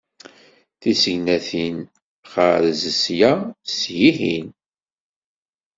Tisegnatin xarez sya s yihin.